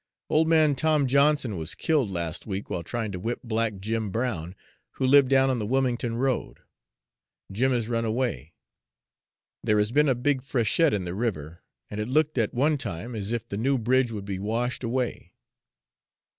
Old man Tom Johnson was killed last week while trying to whip black Jim Brown, who lived down on the Wilmington Road. Jim has run away. There has been a big freshet in the river, and it looked at one time as if the new bridge would be washed away.